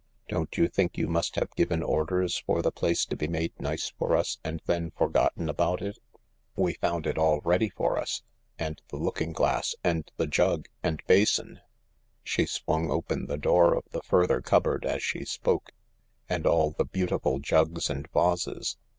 "Don't you think you must have given orders THE LARK 128 for the place to be made nice for us, and then forgotten about it ? We found it all ready for us, and the looking giass and the jug and basin "—she swung open the door of the furthercupboardas she spoke—" andall the beautiful jugsand vases.